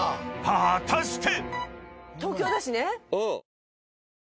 ［果たして⁉］